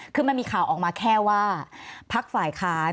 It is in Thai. คือมันมีข่าวออกมาแค่ว่าพักฝ่ายค้าน